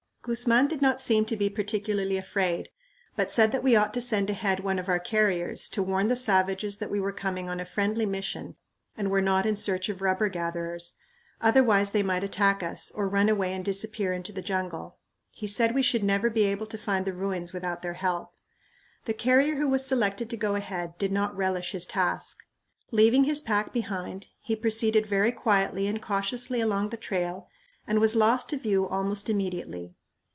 Guzman did not seem to be particularly afraid, but said that we ought to send ahead one of our carriers, to warn the savages that we were coming on a friendly mission and were not in search of rubber gatherers; otherwise they might attack us, or run away and disappear into the jungle. He said we should never be able to find the ruins without their help. The carrier who was selected to go ahead did not relish his task. Leaving his pack behind, he proceeded very quietly and cautiously along the trail and was lost to view almost immediately.